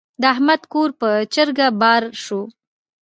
د احمد کور پر چرګه بار شو.